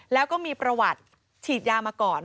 แล้วก็มีประวัติฉีดยามาก่อน